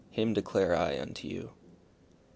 Him declare I unto you_."